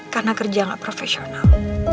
karena kerja gak profesional